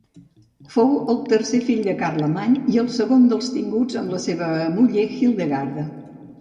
Fou el tercer fill de Carlemany i segon dels tinguts amb la seva muller Hildegarda.